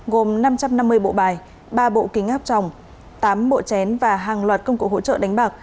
gồm năm trăm năm mươi bộ bài ba bộ kính áp tròng tám bộ chén và hàng loạt công cụ hỗ trợ đánh bạc